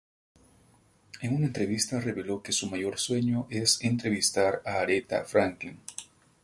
En una entrevista reveló que su mayor sueño es entrevistar a Aretha Franklin.